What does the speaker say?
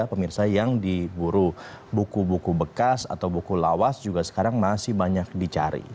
pemirsa yang diburu buku buku bekas atau buku lawas juga sekarang masih banyak dicari